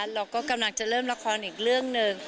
เราก็กำลังจะเริ่มละครอีกเรื่องหนึ่ง